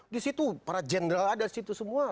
di situ para jenderal ada di situ semua